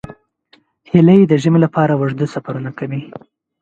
هیلۍ د ژمي لپاره اوږده سفرونه کوي